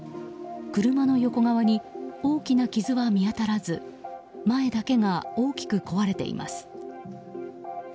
車の横側に大きな傷は見当たらず前だけが大きく壊れています。